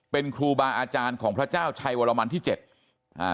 เป็นครูบาอาจารย์ของพระเจ้าชัยวรมันที่เจ็ดอ่า